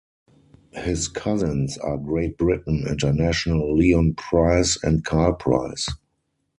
His cousins are Great Britain International Leon Pryce and Karl Pryce.